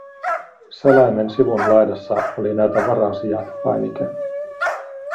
selaimen sivun laidassa oli näytä varasijat -painike.